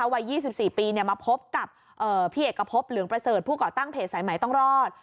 วัย๒๔ปีมาพบกับพี่เอกพบเหลืองประเสริฐผู้ก่อตั้งเพจสายใหม่ต้องรอด